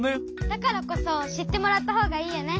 だからこそしってもらったほうがいいよね。